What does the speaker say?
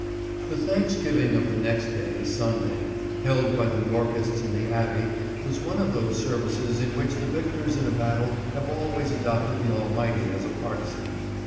The thanksgiving of the next day, Sunday, held by the Yorkists in the Abbey was one of those services in which the victors in a battle have always adopted the Almighty as a partisan.